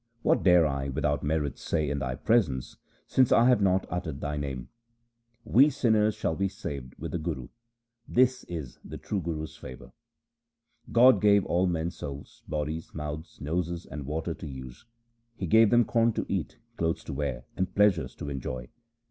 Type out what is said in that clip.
What dare I without merits say in Thy presence since I have not uttered Thy name ? We sinners shall be saved with the Guru. This is the true Guru's favour. God gave all men souls, bodies, mouths, noses, and water to use ; He gave them corn to eat, clothes to wear, and pleasures to enjoy.